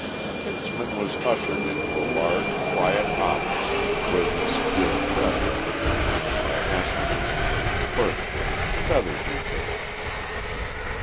Kinsman was ushered into a large, quiet office, where this bureaucratic official began by asking his name, birthplace and other details.